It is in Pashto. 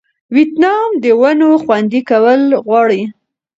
ویتنام د ونو خوندي کول غواړي.